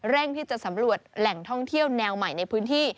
ที่จะสำรวจแหล่งท่องเที่ยวแนวใหม่ในพื้นที่